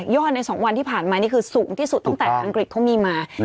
ใน๒วันที่ผ่านมานี่คือสูงที่สุดตั้งแต่อังกฤษเขามีมา